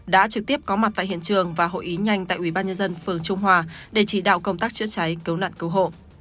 đã trực tiếp có mặt tại hiện trường và hội ý nhanh tại ubnd phường trung hòa để chỉ đạo công tác chữa cháy cứu nạn cứu hộ